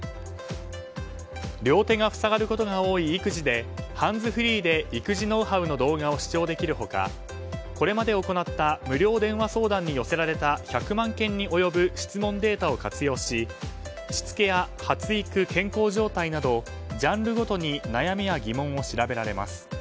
両手が塞がることが多い育児でハンズフリーで育児ノウハウの動画を視聴できる他、これまで行った無料電話相談に寄せられた１００万件に及ぶ質問データを活用ししつけや発育、健康状態などジャンルごとに悩みや疑問を調べられます。